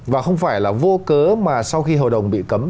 và không phải là vô cớ mà sau khi hầu đồng bị cấm